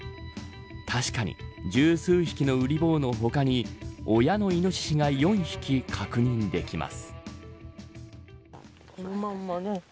確かに、十数匹のうり坊の他に親のイノシシが４匹確認できます。